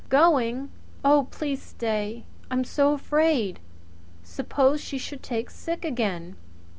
"Going! Oh, please stay! I'm so afraid. Suppose she should take sick again!